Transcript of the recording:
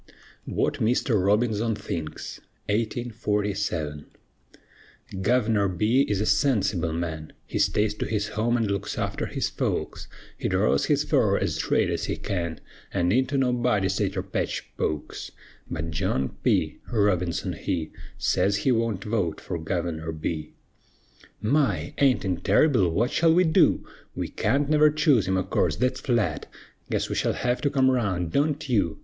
WHAT MR. ROBINSON THINKS Guvener B. is a sensible man; He stays to his home an' looks arter his folks; He draws his furrer ez straight ez he can, An' into nobody's tater patch pokes; But John P. Robinson he Sez he wunt vote fer Guvener B. My! aint it terrible? Wut shall we du? We can't never choose him o' course, thet's flat; Guess we shell hev to come round, (don't you?)